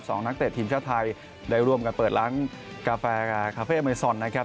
สองนักเต็ดทีมชาวไทยได้ร่วมกันเปิดร้านกาแฟคาเฟ่ไมซอนนะครับ